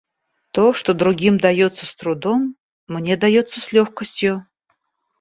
То, что другим дается с трудом, мне дается с легкостью.